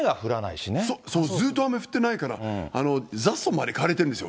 そう、ずっと雨降ってないから、雑草まで枯れてるんですよ。